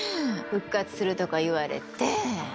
復活するとか言われて！